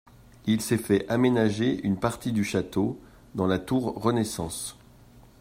Il s'est fait aménager une partie du château, dans la tour renaissance.